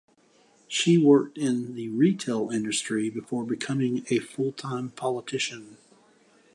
She worked in the retail industry before becoming a full-time politician.